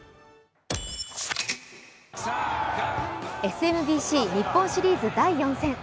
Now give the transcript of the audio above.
ＳＭＢＣ日本シリーズ第４戦。